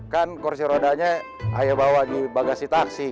kan kursi rodanya ayo bawa di bagasi taksi